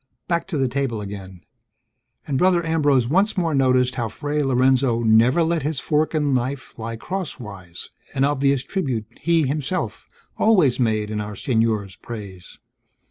Back to the table again; and Brother Ambrose once more noticed how Fray Lorenzo never let his fork and knife lie crosswise, an obvious tribute he, himself, always made in Our Senor's praise.